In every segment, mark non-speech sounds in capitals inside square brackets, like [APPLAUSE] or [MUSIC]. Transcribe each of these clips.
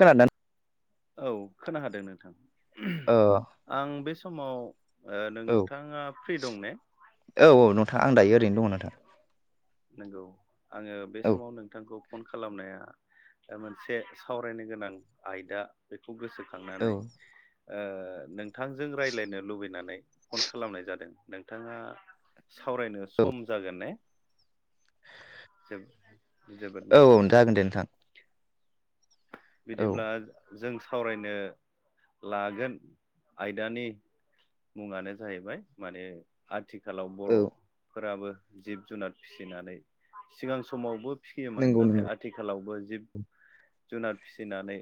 खोनादों औ खोनादों नोंथां, ओ आं बे समाव ओ औ नोंथाङा फ्रि दं ने औ औ नोंथां आं दायो ओरैनो दङ नोंथां। नंगौ आङो बे औ समाव नोंथांखौ फन खालामनाया मोनसे सावरायनो गोनां आयदा बे खौ औ गोसोखांनानै ओ नोंथांजों रायज्लायनो लुबैनानै फन खालामनाय जादों नोंथाङा सावरायनो औ सम जागोन ने? जोब औ औ जागोन दे नोंथां। औ बिदिब्ला जों‌ सावरायनो लागोन आयदानि। मुङानो जाहैबाय माने आथिखालाव औ बर'फोराबो। जिब - जुनार फिसिनानै सिगां समावबो फिसियोमोन नंगौ नंगौ नाथाय आथिखालावबो। जिब - जुनार फिसिनानै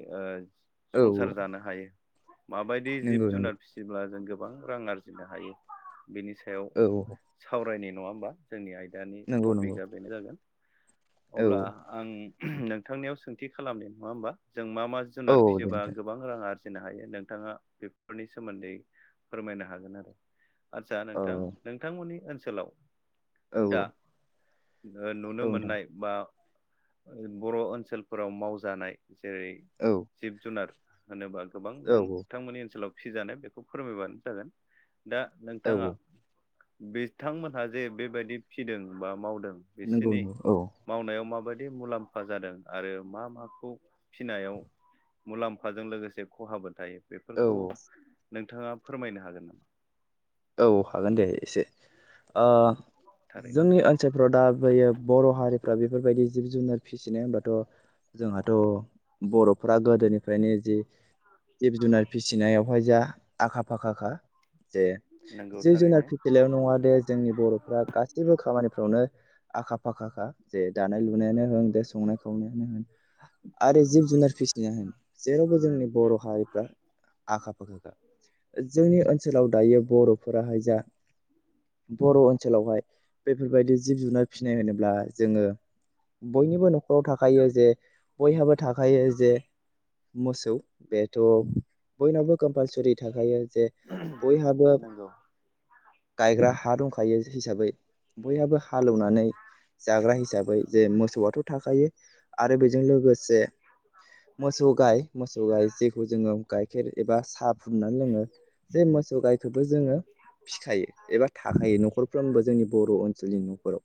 औ औ संसार जानो हायो। माबायदि जिब- नंगौ नंगौ जुनार फिसिब्ला जों गोबां रां आरजिनो हायो। बिनि सायाव औ औ सावरायनाय नङा होमबा जोंनि आयदानि नंगौ नंगौ टपिकआ बेनो जागोन। औ अब्ला आं नोंथांनियाव सोंथि खालामनि नङा होमबा। जों मा मा औ जुनार औ दे फिसियोबा नोंथां गोबां रां आरजिनो हायो नोंथाङा बेफोरनि सोमोन्दै। फोरमायनो हागोन आरो आतसा औ नोंथां नोंथांमोननि ओनसोलाव। औ - दा औ। नुनो औ नोंथां मोननाय बा बर' ओनसोलफोराव मावजानाय। जेरै औ जिब- जुनार होनोबा गोबां औ नोंथांमोननि ओनसोलाव। फिजानाय बेखौ फोरमायबानो जागोन दा औ नोंथाङा। औ बिथांमोनहा जे बेबायदि फिदों बा मावदों नंगौ बिसोरनि नंगौ औ मावनायाव माबायदि। बिदि मुलाम्फा जादों आरो मा माखौ फिनायाव। मुलाम्फाजों लोगोसे खहाबो थायो। औ। बेफोरखौ नोंथाङा फोरमायनो हागोन नामा। औ हागोन दे एसे। आ थारैनो जोंनि ओनसोलफ्राव दा बयो बर' हारिफ्रा बेफोरबायदि जिब- जुनार। फिसिनाय हबाथ' जोंहाथ' बर'फ्रा गोदोनिफ्रायनो जि। जिब- जुनार फिसिनायावहाय जा आखा फाखाखा जे। नंगौ जिब - जुनार थारैनो फिथलायाव नङा दे जोंनि बर'फ्रा गासैबो खामानिफ्रावनो आखा फाखा। जे दानाय- लुनायानो होन दे संनाय खावनायानो होन। आरो जिब - जुनार फिसिना होन जेरावबो जोंनि बर' हारिफ्रा। आखा- फाखा जोंनि ओनसोलाव। दायो बर'फोराहाय जा। बर' ओनसोलावहाय बेफोरबायदि जिब- जुनार फिसिनाय होनोब्ला जोङो। बयनिबो न'खराव थाखायो जे। बयहाबो थाखायो जे मोसौ बेथ' बयनावबो। कम्पालसरि थाखायो जे बयहाबो। नंगौ गायग्रा हा दंखायो हिसाबै बयहाबो हालौवनानै जाग्रा हिसाबै जे मोसौआथ' थाखायो आरो बेजों लोगोसे। मोसौ गाय मोसौ गाय जेखौ जोङो गाइखेर एबा साहा फुननानै लोङो जे ‌‌‍‍मोसौ गायखो जोङो फिखायो एबा थाखायो न'खरफ्रोमबो जोंनि बर' ओनसोलनि न'खराव।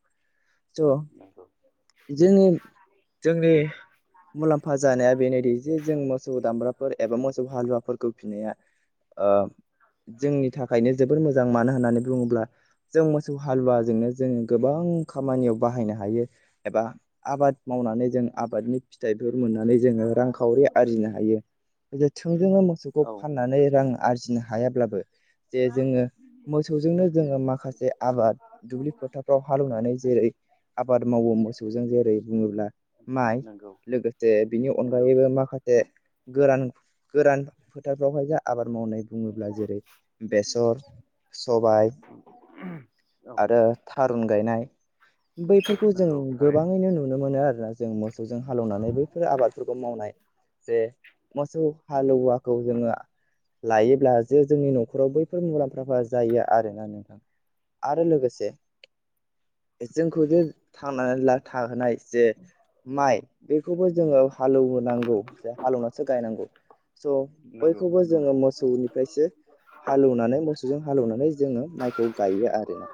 ज। नंगौ जों जोंनि। मुलाम्फा जानाया बेनोदि जे जों मोसौ दामब्राफोर एबा मोसौ हालुवाफोरखौ फिसिनाया। आ जोंनि। थाखायनो जोबोर मोजां मानो होननानै बुङोब्ला जों मोसौ हालुवाजोंनो जोङो गोबां खामानियाव बाह। बाहायनो हायो एबा आबाद मावनानै जों आबादनि फिथाइफोर मोननानै जोङो रांखावरि आरजिनो हायो थोंजोङनो मोसौखौ औ फाननानै रां आरजिनो हायाब्लाबो जे जोङो मोसौजोंनो जोङो माखासे आबाद दुब्लि फोथारफ्राव हालेवनानै जेरै आबाद मावो मोसौजों जेरै बुङोब्ला माइ नंगौ लोगोसे बिनि नंगौ अनगायैबो माखासे गोरान गोरान फोथारफ्रावहाय जों आबाद मावनाय बुङोब्ला जेरै बेसर सबाय औ आरो थारुन गायनाय बैफोरखौ जों नंगौ थारैनो गोबाङैनो नुनो मोनो आरो। जों मोसौजों हालेवनानै बैफोर आबादफोरखौ मावनाय जे मोसौ हालुआखौ जोङो लायोब्ला जे जोंनि नो फोराव बैफोर मुलाम्फाफ्रा जायो आरोना नोंथां आरो लोगोसे जोंखौ जे थांनानैला थाहोनाय जे माइ बेखौबो जोङो हालौवनांगौ जे हालौवनासो गायनांगौ। स नंगौ बयखौबो जोङो मोसौनिफ्रायसो हालेवनानै मोसौजों हालौवनानै जोङो माइखौ गायो आरोना।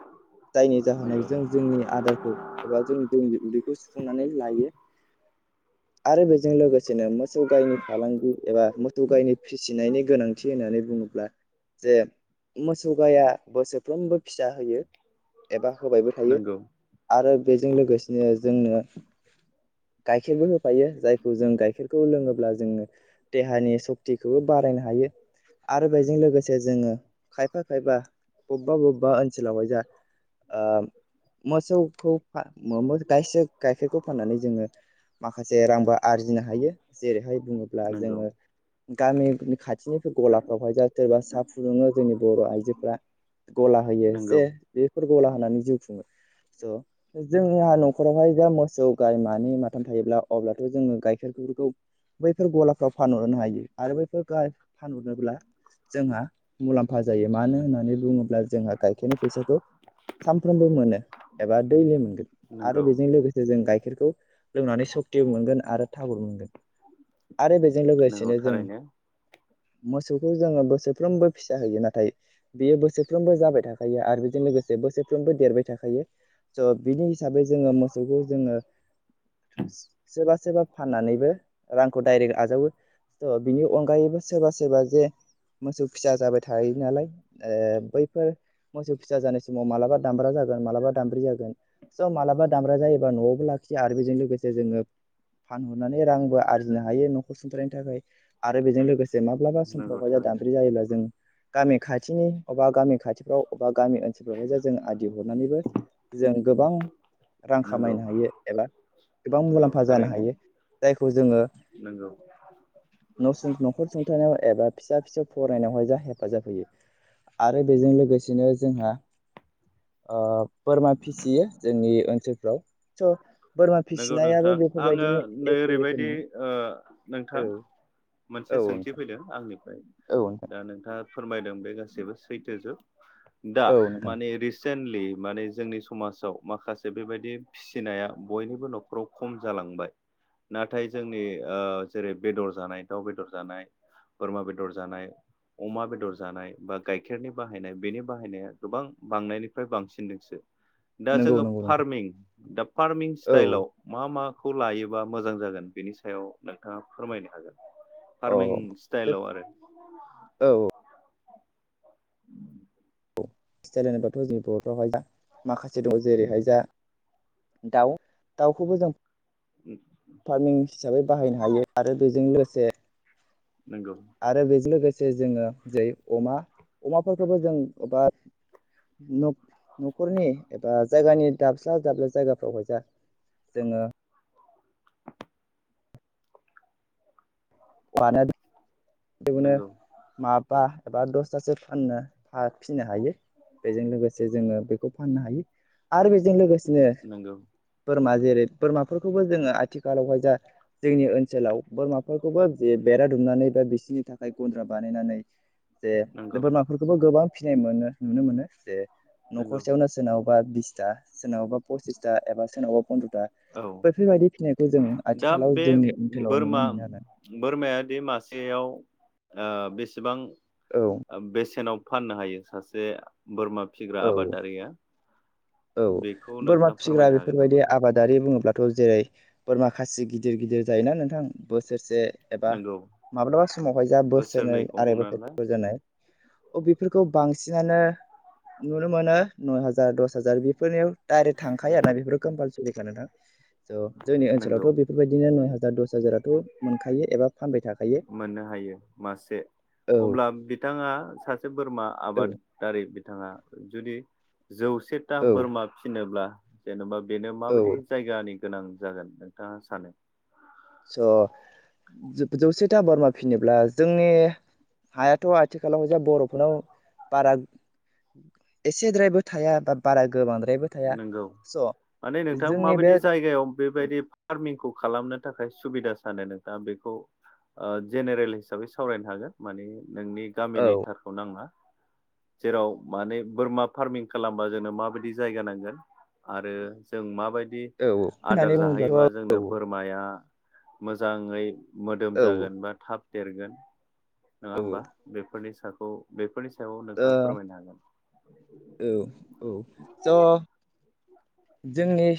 जायनि जाहोनाव नंगौ जों जोंनि आदारखौ एबा जों जोंनि उदैखौ सुफुंनानै लायो। आरो बेजों लोगो सेनो मोसौ गायनि फालांगि एबा मोसौ गायनि फिसिनायनि गोनांथि होननानै बुङोब्ला जे मोसौ गाया बोसोरफ्रोमबो फिसा होयो। एबा होबायबो थायो नंगौ आरो बेजों लोगोसेनो जोंनो गाइखेरबो होफायो जायखौ जों गाइखेरखौ लोङोब्ला जोंङो देहानि सक्तिखौबो बारायनो हायो आरो बेजों लोगोसे जोङो खायफा खायफा बबेबा बबेबा ओनसोलावहाय जा ओ मोसौखौ फा मो मो गायसो गाइखेरखौ फाननानै जोङो माखासे रांबो आरजिनो हायो जेरैहाय बुङोब्ला नंगौ जोङो गामि खाथिनि [INAUDIBLE] सा फुदुङो जोंनि बर आइजोफोरा गला होयो नंगौ जे बेफोर गला होनानै जिउ खुङो। स जोंहा नखरावहाय जा मोसौ गाय मानै माथाम थायोब्ला अब्लाथ जोङो गाइखेरखौ फोरखौ बैफोर गलाफ्राव फानहरनो हायो आरो बैफोर गाय फानहरनोब्ला जोंहा मुलाम्फा जायो मानो होननानै बुङोब्ला जोंहा गाइखेरनि फैसाखौ सानफ्रोमबो मोनो एबा दैलि मोनगोन नंगौ आरो बेजों लोगोसे जों गाइखेरखौ लोंनानै सक्तिबो मोनगोन आरो थाबुर मोनगोन। आरो बेजों नंगौ लोगोसेनो जों थारैनो मोसौखौ जोङो गो बोसोरफ्रोमबो फिसा होयो नाथाय बेयो बोसोरफ्रोमबो जाबाय थाखायो आरो बेजों लोगोसे बोसोरफ्रोमबो देरबाय थाखा खायो स बिनि हिसाबै जोङो मोसौखौ जोङो सेबा सोरबा फाननानैबो रांखौ डाइरेक्ट आजावो। त बिनि अनगायैबो सोरबा सोरबा जे मोसौ फिसा जाबाय थायो नालाय ओ बैफोर मोसौ फिसा जानाय समाव मालाबा दामब्रा जागोन। मालाबा दामब्रि जागोन स माबा दामब्रा जायोबा नआवबो लाखियो आरो बेजों लोगोसे जोङो फानहरनानै रांबो आरजिनो हायो नखर सुंथारनायनि थाखाय आरो बेजों लोगोसे जे माब्लाबा नंगौ समफ्रावहाय ज थारैनो दामब्रि जायोब्ला जों गामि खाथिनि अबा गामि खाथिफ्राव अबा गामि ओनसोलफ्रावहाय जे जों आदि हरनानैबो जों गोबां रां नंगौ खामायनो हायो एबा गोबां नंगौ मुलाम्फा जानो थारैनो हायो जायखौ जोङो नंगौ न सुं नखर सुंथानायाव एबा फिसा फिसौ फरायनायावहाय जा हेफाजाब होयो आरो बेजों लोगोसे बिसनो जोंहा ओ बोरमा फिसियो जोंनि ओनसोलफ्राव स' बोरमा नंगौ फिसिनायाबो नोंथां आङो बेफोरबायदिनो नै एखे ओरैबायदि रोखोमनि ओ औ नोंथां मोनसे औ सोंथि नोंथां फैदों आंनि औ नोंथां दा नोंथाङा फोरमायदों बे गासैबो सैथो जुग दा औ नोंथां माने रि सेनलि माने जोंनि समाजाव माखासे बेबायदि फिनाया बयनिबो न'खराव खम जालांबाय। नाथाय जोंनि ओ जेरै बेदर जानाय दाउ बेदर जानाय बोरमा बेदर जानाय अमा बेदर जानाय बा गाइखेरनि बाहायनाय बेनि बाहायनाया गोबां बांनायनिफ्राय बांसिनदोंसो। दा नंगौ जोङो नंगौ नोंथां फार्मिं दा फार्मिं औ स्टाइलाव मा मा खौ लायोबा मोजां जागोन बेनि सायाव नोंथाङा फोरमायनो हागोन औ फार्मिं सटाइलाव आरो औ सटाइल होनोबाथ' जोंनि बर'फ्रावहाय जा माखासे दङ जेरैहाय जा दाउ दाउखौबो जों फार्मिं [INAUDIBLE] हिसाबै बाहायनो हायो आरो बेजों लोगोसे नंगौ आरो बेजों लोगोसे जोङो जै अमा अमाफोरखौबो जों बा न'खरनि एबा जायगानि दाबस्ला दाब्ला जायगाफ्रावहाय जा जोङो [UNINTELLIGIBLE] नंगौ माबा एबा दसथासो फाननो फिनो हायो बेजों लोगोसे जोङो बेखौ फाननो हायो आरो बेजों लोगोसेनो नंगौ बोरमा जेरै बोरमाफोरखौबो जोङो आथिखालावहाय जा जोंनि ओनसोलाव [UNINTELLIGIBLE] खौबो जे बेरा दुमनानै बा बिसोरनि थाखाय गन्द्रा बानायनानै जे नंगौ बोरमाफोरखौबो गोबां फिनाय मोनो नुनो मोनो जे नंगौ न'खरसेयावनो सोरनावबा बिसथा सोरनावबा पसिसथा एबा सोरनावबा फन्द्र'था औ बैफोरबायदि फिनायखौ जों दा आथिखालाव बे जोंनि ओनसोलाव नुनो बोरमा मोनो बोरमायादि मासेयाव बेसेबां आरो बेसेनाव फाननो हायो सासे बोरमा फिग्रा औ आबादारिया औ बेखौ बोरमा नोंथाङा फिसिग्रा फोरमायनो हागोन बेफोरबायदि नामा आबादारि [UNINTELLIGIBLE] बुङोब्लाथ' जेरै बोरमा खासि गिदिर गिदिर जायोना नोंथां बोसोरसे एबा नोंगौ माब्लाबा समावहाय जा बोसोनै बोसोरनैखौ आराय बोसोर हमनानै ला गोजोनै अ बेफोरखौ बांसिनानो नुनो मोनो नय हाजार दस हाजार बेफोरनियाव डाइरेक्ट थांखायो ना बेफोर कम्पालसरिखा नोंथां स' जोंनि नोंगौ ओनसोलावथ' बेफोरबायदिनो नय हाजार दस हाजाराथ' मोनखायो एबा फानबाय थाखायो मोननो हायो मासे औ अब्ला बिथाङा सासे बोरमा औ आबादारि बिथाङा जुदि जौसेथा औ बोरमा फिनोब्ला जेन'बा बेनो औ माबायदि जायगानि गोनां जागोन नोंथाङा सानो स' जौसेथा बारमा फिनोब्ला जोंनि हायाथ' आथिखालाव जा बर'फोरनाव बारा एसेद्रायबो थाया बा बारा गोबांद्रायबो थाया नंगौ स' माने नोंथां जोंनि बे माबायदि जायगायाव बेबायदि फार्मिखौ खालामनो थाखाय सुबिदा सानो नोंथाङा बेखौ जेनेरेल हिसाबै सावरायनो हागोन माने नोंनि औ गामिनि थारखौ नाङा जेराव माने बोरमा फार्मि खालामबा जोंनो माबायदि जा नांगोन आरो जों माबायदि बिदि औ आदार होननानै जाहैयोबा बुङोब्लाथ' औ जोंनो बोरमाया मोजाङै मोदोम औ जागोन बा थाब देरगोन नङा औ होमबा बेफोरनि साखौ बेफोरनि सायाव औ नोंथाङा फोरमायनो हागोन। औ औ ज जोंनि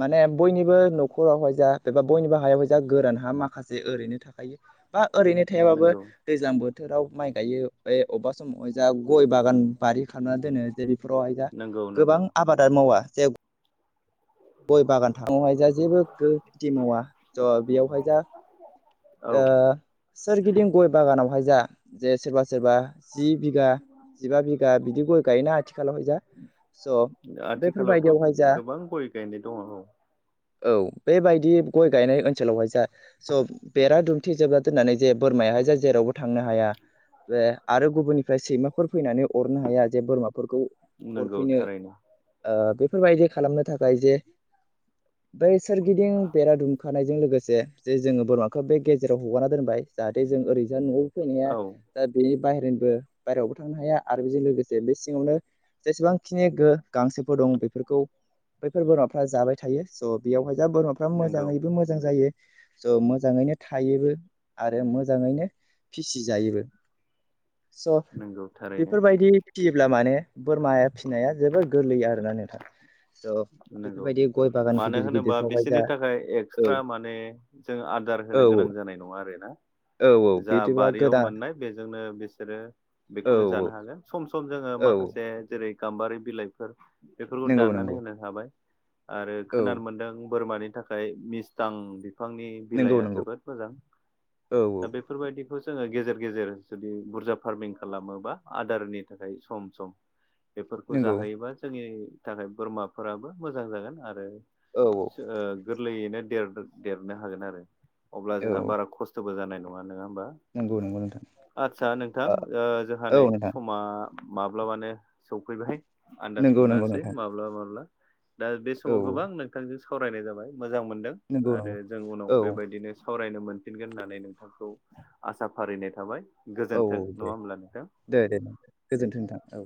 माने बयनिबो न'खरावहाय जा एबा बयनिबो हायावहाय जा गोरान हा माखासे ओरैनो थाखायो। बा ओरैनो थायाबाबो नंगौ दैज्लां बोथोराव माइ गायो ए अबा सम अजा गय बागान बारि खालामनानै दोनो जे बेफोरावहाय दा नंगौ नंगौ गोबां आबादानो मावा जे गय बागान थानायहाय जा जेबो गो खिथि मावा ज' बेयावहाय जा औ ओ सोरगिदिं गय बागानावहाय जा जे सोरबा सोरबा जि बिघा जिबा बिघा बिदि गय गायोना आथिखालावहाय जा स' आथिखालावथ' बेफोरबायदियावहाय जा गोबां गय गायनाय दङ औ औ बेबायदि गय गायनाय ओनसोलावहाय जा स' बेरा दुमथि जोबला दोननानै जे बोरमायाहाय जे जेरावबो थांनो हाया जे आरो गुबुननिफ्राय सैमाफोर फैनानै अरनो हाया जे बोरमा [UNINTELLIGIBLE] नंगौ अरफैनो थारैनो ओ बेफोरबायदि खालामनो थाखाय जे बै सोरगिदिं बेरा दुमखानायजों लोगोसे, जे जोङो बोरमाखौ बे गेजेराव हगारना दोनबाय जा- जाहाथे जों ओरैज न'आव फैनाया, औ दा बेयो बाहेरनिबो -बाहेरायावबो थांनो हाया आरो बेजों लोगोसे बे सिङावनो जेसेबांखिनि गो -गांसोफोर दं बेफोरखौ बैफोर बोरमा [UNINTELLIGIBLE] जाबाय थायो स' बेयावहाय जा बोरमाफ्रा नंगौ मोजाङैबो मोजां जायो। स' मोजाङैनो थायोबो आरो मोजाङैनो फिसिजायोबो। स' नंगौ थारैनो बेफोरबायदि फिसियोब्ला, माने बोरमाया फिसिनाया जोबोर गोरलै आरोना नोंथां। स' नंगौ, बेफोरबायदि गय बागान मानो गिदिर होनोबा गिदिरफ्रावहाय जा बिसोरनि थाखाय औ एक्सट्रा माने जों आदार औ होनो गोनां औ जानाय नङा आरो ना? औ औ जा बिदिबा बारियाव गोदान मोननाय, बेजोंनो बिसोरो औ बेखौनो जानो औ हागोन सम सम जोङो औ माखासे जेरै- गाम्बारि बिलाइफोर बेफोरखौ नंगौ दान्नानै नंगौ होनो हाबाय। आरो औ खोनानो मोनदों बोरमानि थाखाय मिस्टां बिफांनि नंगौ बिलाइआ नंगौ जोबोद मोजां। औ औ दा बेफोरबायदि [UNINTELLIGIBLE] जोङो गेजेर- गेजेर जुदि बुरजा फार्मिं खालामोबा आदारनि थाखाय सम -सम बेफोरखौ नंगौ जाहोयोबा, जोंनि थाखाय बोरमाफोराबो मोजां जागोन आरो औ औ सो ओ - गोरलैयैनो देरदों - देरनो हागोन आरो। अब्ला जोंहा औ बारा खस्थ'बो जानाय नङा होमबा? नंगौ नंगौ नोंथां आदसा नोंथां ओ जोंहा नै औ नोंथां समा माब्लाबानो सफैबाय आन्दाज नंगौ नंगौ मोनासै नोंथां माब्ला- माब्ला दा बे औ समाव गोबां औ नोंथांजों सावरायनाय जाबाय, मोजां मोनदों नंगौ आरो नंगौ जों उनाव औ बेबायदिनो सावरायनो मोनफिनगोन होननानै नोंथांखौ आसा फारिनाय थाबाय। औ गोजोन्थों दे नङा होमब्ला नोंथां? दे दे नोंथां। दे। गोजोन्थों नोंथां औ